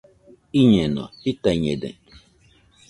Iñeno.jitaiñede